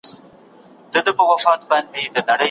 چي تر څو مي نوم یادیږي چي سندری مي شرنګیږي